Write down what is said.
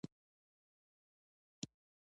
د ملګرو ملتونو په میثاق کې محدودیتونه وضع شوي.